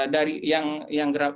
dari yang gerak